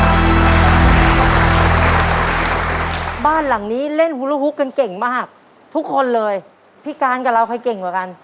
บ้านหลังนี้เล่นฮูรุฮุกกันเก่งมากทุกคนเลยพี่การกับเราใครเก่งกว่ากัน